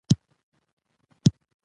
د افغانستان خلک تاریخي ريښه لري.